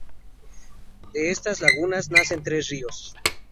De estas lagunas nacen tres ríos.